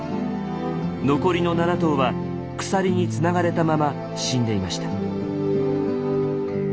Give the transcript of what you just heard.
残りの７頭は鎖につながれたまま死んでいました。